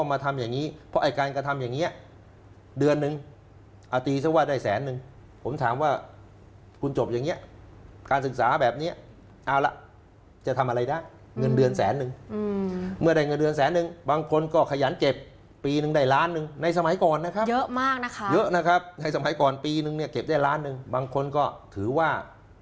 ๑ล้านนึงในสมัยก่อนนะครับเยอะมากนะคะเยอะนะครับในสมัยก่อนปีนึงเนี่ยเก็บได้ล้านนึงบางคนก็ถือว่า